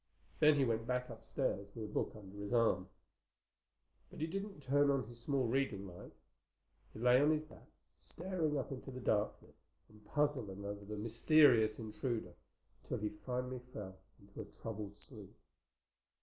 Then he went back upstairs, with a book under his arm. But he didn't turn on his small reading light. He lay on his back, staring up into the darkness and puzzling over the mysterious intruder, until he finally fell into a troubled sleep.